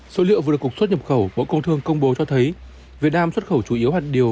số liệu vừa được cục xuất nhập khẩu bộ công thương công bố cho thấy việt nam xuất khẩu chủ yếu hạt điều